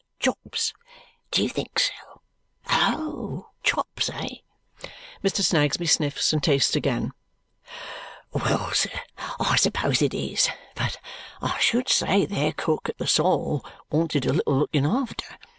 "Chops, do you think? Oh! Chops, eh?" Mr. Snagsby sniffs and tastes again. "Well, sir, I suppose it is. But I should say their cook at the Sol wanted a little looking after.